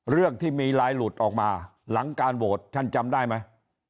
เรื่องที่มีลายหลุดออกมาหลังการโหวตท่านจำได้ไหม